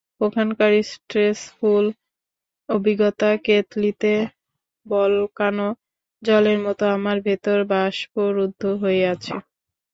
ওখানকার স্ট্রেসফুল অভিজ্ঞতা কেতলিতে বলকানো জলের মতো আমার ভেতর বাষ্পরুদ্ধ হয়ে আছে।